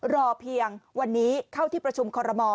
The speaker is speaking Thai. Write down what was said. รอเพียงวันนี้เข้าที่ประชุมคอรมอล